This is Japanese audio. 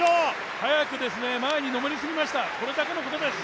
早く前にのめりすぎました、それだけのことです。